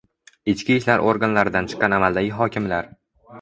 Ichki ishlar organlaridan chiqqan amaldagi hokimlar